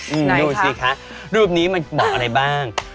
ดูสิคะรูปนี้มันบอกอะไรบ้าง